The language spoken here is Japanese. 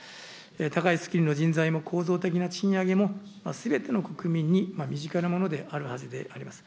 高いスキルの人材も、構造的な賃上げも、すべての国民に身近なものであるはずであります。